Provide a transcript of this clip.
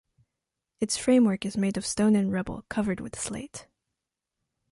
Its framework is made of stone and rubble, covered with slate.